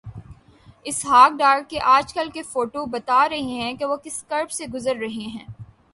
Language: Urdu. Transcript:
اسحاق ڈار کے آج کل کے فوٹوبتا رہے ہیں کہ وہ کس کرب سے گزر رہے ہیں۔